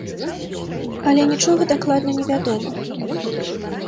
Але нічога дакладна не вядома.